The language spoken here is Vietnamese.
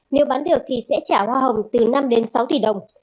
nếu bán được thì sẽ trả hoa hồng từ năm đến sáu tỷ đồng